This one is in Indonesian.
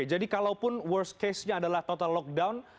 jadi kalaupun worst case nya adalah total lockdown